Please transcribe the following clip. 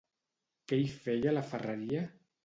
Què hi feia a la ferreria?